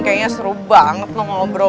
kayaknya seru banget loh ngobrol